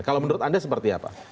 kalau menurut anda seperti apa